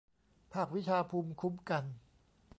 ภาควิชาภูมิคุ้มกัน